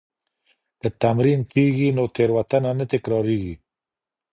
که تمرین کېږي نو تېروتنه نه تکرارېږي.